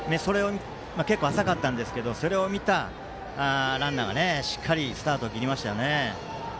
結構、浅かったんですがそれを見たランナーがしっかりスタート切りました。